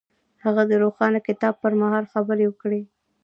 هغه د روښانه کتاب پر مهال د مینې خبرې وکړې.